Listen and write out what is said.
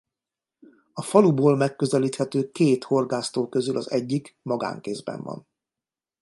A faluból megközelíthető két horgásztó közül az egyik magánkézben van.